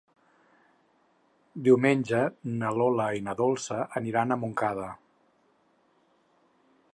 Diumenge na Lola i na Dolça aniran a Montcada.